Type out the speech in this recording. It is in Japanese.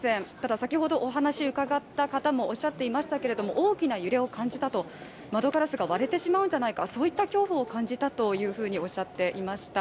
先ほど、お話を伺った方もおっしゃっていましたけども大きな揺れを感じたと、窓ガラスが割れてしまうんじゃないかという恐怖を感じたとおっしゃっていました。